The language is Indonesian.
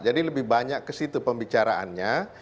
jadi lebih banyak kesitu pembicaraannya